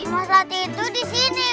mas rati itu di sini